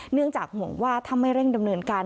เนื่องจากห่วงว่าถ้าไม่เร่งดำเนินการ